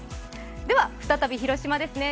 では再び広島ですね。